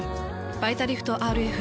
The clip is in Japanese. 「バイタリフトＲＦ」。